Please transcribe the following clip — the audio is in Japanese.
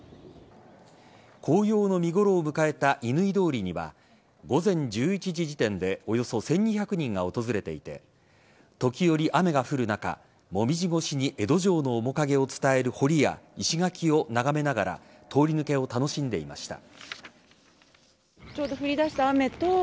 紅葉の見ごろを迎えた乾通りには午前１１時時点でおよそ１２００人が訪れていて時折、雨が降る中モミジ越しに江戸城の面影を伝えるほりや石垣を眺めながら通り抜けを楽しんでいました。